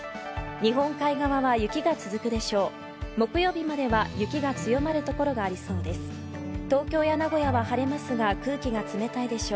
日本海側は雪が続くでしょう。